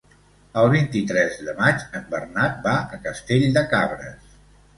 El vint-i-tres de maig en Bernat va a Castell de Cabres.